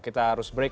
kita harus break